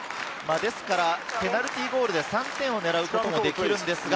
ですからペナルティーゴールで３点を狙うこともできるんですが。